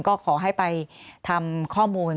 ก็ขอให้ไปทำข้อมูล